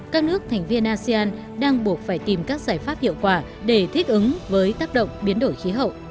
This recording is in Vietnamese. các nước thành viên asean đang buộc phải tìm các giải pháp hiệu quả để thích ứng với tác động biến đổi khí hậu